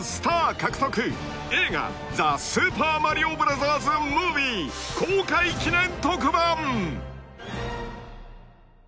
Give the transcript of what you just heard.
［映画『ザ・スーパーマリオブラザーズ・ムービー』公開記念特番！］